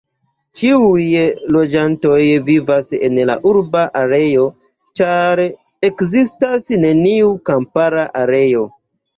Ĉiuj loĝantoj vivas en la urba areo, ĉar ekzistas neniu kampara areo.